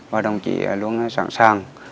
và đồng chí luôn sẵn sàng